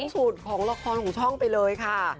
สูตรของละครของช่องไปเลยค่ะ